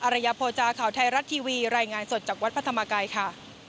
ระยะโภจาข่าวไทยรัฐทีวีรายงานสดจากวัดพระธรรมกายค่ะ